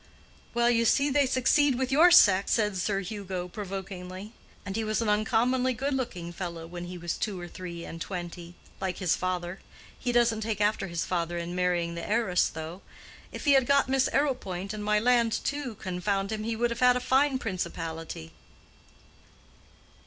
"Well, you see they succeed with your sex," said Sir Hugo, provokingly. "And he was an uncommonly good looking fellow when he was two or three and twenty—like his father. He doesn't take after his father in marrying the heiress, though. If he had got Miss Arrowpoint and my land too, confound him, he would have had a fine principality."